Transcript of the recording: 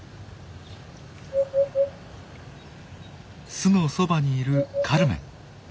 巣のそばにいるカルメン。